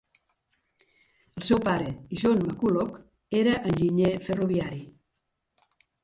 El seu pare, John McCulloch, era enginyer ferroviari.